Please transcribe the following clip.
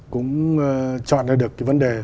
cũng chọn ra được cái vấn đề